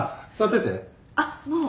あっもう。